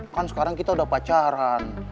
kan sekarang kita udah pacaran